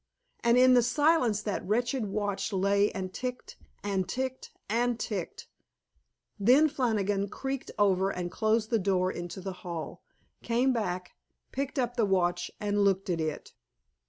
And in the silence that wretched watch lay and ticked and ticked and ticked. Then Flannigan creaked over and closed the door into the hall, came back, picked up the watch, and looked at it.